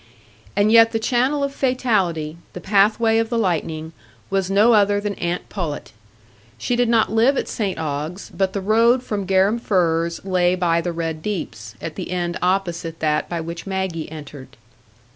And yet the channel of fatality—the pathway of the lightning—was no other than aunt Pullet. She did not live at St Ogg's, but the road from Garum Firs lay by the Red Deeps, at the end opposite that by which Maggie entered.